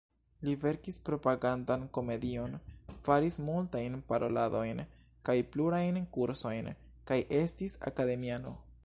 Li verkis propagandan komedion, faris multajn paroladojn kaj plurajn kursojn, kaj estis akademiano.